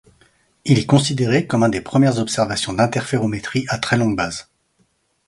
Il est considéré comme un des premières observations d'interférométrie à très longue base.